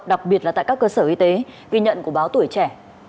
đặc biệt là tại các cơ sở y tế ghi nhận của báo tuổi trẻ